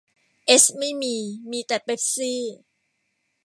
เอสไม่มี มีแต่เป็ปซี่